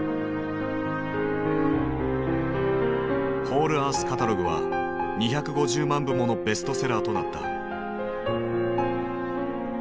「ホールアースカタログ」は２５０万部ものベストセラーとなった。